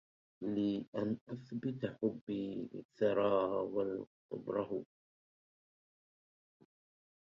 ليَ أن أثبت حبي للثرى والقُبَّرهْ